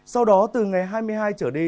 sau đó từ ngày hai mươi hai trở đi